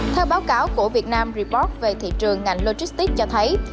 theo báo cáo của việt nam rebort về thị trường ngành logistics cho thấy